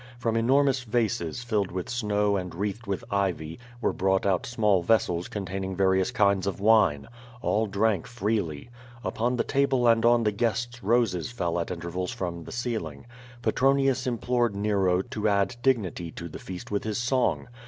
From enormous vases, filled with snow and wreathed with ivy, were brought out small vessels containing various kinds of wine. All drank freely. Upon the table and on the guests roses fell at intervals from the ceiling. Petronius implored Nero to add dignity to the feast with his song.